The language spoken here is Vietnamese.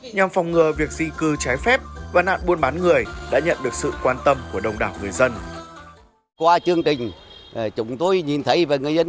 nhằm phòng ngừa việc di cư trái phép và nạn buôn bán người đã nhận được sự quan tâm của đông đảo người dân